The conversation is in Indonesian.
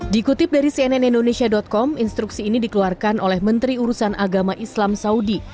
dikutip dari cnn indonesia com instruksi ini dikeluarkan oleh menteri urusan agama islam saudi